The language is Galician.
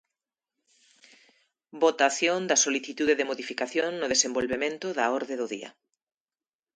Votación da solicitude de modificación no desenvolvemento da orde do día.